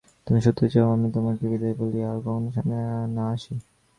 তুমি সত্যিই চাও আমি তোমাকে বিদায় বলি, আর কখনো সামনে না আসি?